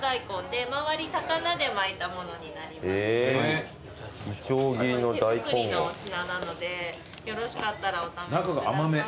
手作りの品なのでよろしかったらお試しください。